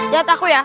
jangan takut ya